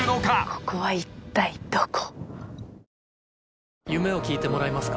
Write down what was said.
ここは一体どこ？